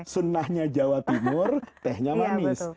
sunnahnya jawa timur tehnya manis